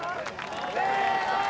せの！